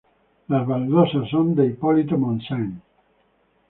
Las baldosas son de Hipólito Montseny.